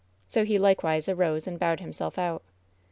So he likewise arose and bowed himself out.